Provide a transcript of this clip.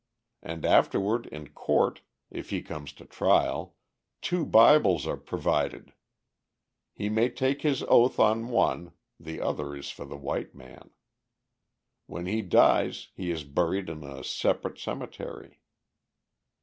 And afterward in court, if he comes to trial, two Bibles are provided; he may take his oath on one; the other is for the white man. When he dies he is buried in a separate cemetery.